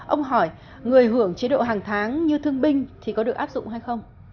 ông hỏi người hưởng chế độ hàng tháng như thương binh thì có được áp dụng hay không